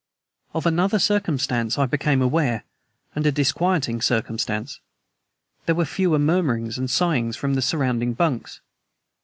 Of another circumstance I became aware, and a disquieting circumstance. There were fewer murmurings and sighings from the surrounding bunks.